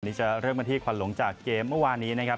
นี่จะเริ่มกันที่ควันหลงจากเกมเมื่อวานนี้นะครับ